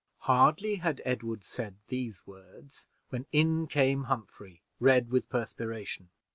Hardly had Edward said these words when in came Humphrey, red with perspiration.